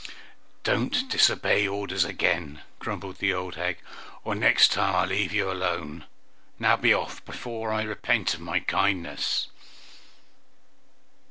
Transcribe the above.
"Don't you disobey orders again!" grumbled the old hag, "or next time I'll leave you alone. Now be off, before I repent of my kindness!"